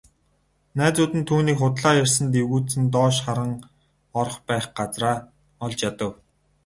Найзууд нь түүнийг худлаа ярьсанд эвгүйцэн доош харан орох байх газраа олж ядав.